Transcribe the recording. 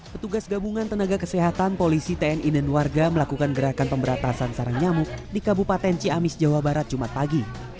petugas gabungan tenaga kesehatan polisi tni dan warga melakukan gerakan pemberatasan sarang nyamuk di kabupaten ciamis jawa barat jumat pagi